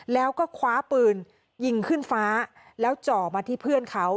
แล้วก็คว้าปืนยิงขึ้นฟ้าแล้วจ่อมาที่เพื่อนเขา